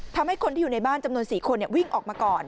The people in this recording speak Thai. ทำให้คนที่อยู่ในบ้านจำนวน๔คนวิ่งออกมาก่อน